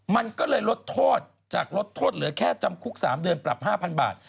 มันก็เลยลดโทษจากลดโทษเหลือแค่จำคุก๓เดือนปรับ๕๐๐บาท